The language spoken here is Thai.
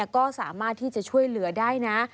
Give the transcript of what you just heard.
ก็สามารถที่จะช่วยเหลือได้นะ